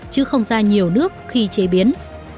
chứ không ra nhiều nước khi chế biến